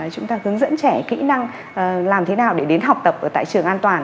chúng ta hướng dẫn trẻ kỹ năng làm thế nào để đến học tập ở tại trường an toàn